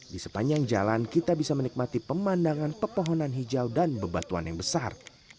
di sepanjang jalan kita bisa menikmati pemandangan pepohonan hijau dan bebatuan yang besar